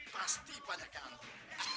pasti banyak keanggung